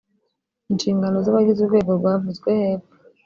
Inshingano z’ Abagize urwego rwavuzwe hepfo